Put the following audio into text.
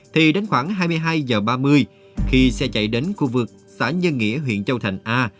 thì đến khoảng hai mươi hai h ba mươi khi xe chạy đến khu vực xã nhân nghĩa huyện châu thành a